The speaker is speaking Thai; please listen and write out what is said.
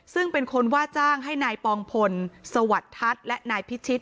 ซึ่งเป็นคนว่าจ้างให้นายปองพลสวัสดิ์ทัศน์และนายพิชิต